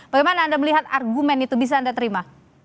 bagaimana anda melihat argumen itu bisa anda terima